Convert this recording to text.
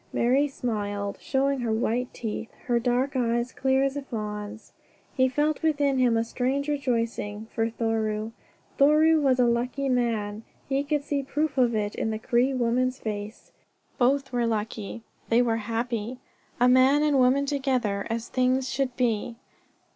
Marie smiled, showing her white teeth, her dark eyes clear as a fawn's. He felt within him a strange rejoicing for Thoreau. Thoreau was a lucky man. He could see proof of it in the Cree woman's face. Both were lucky. They were happy a man and woman together, as things should be.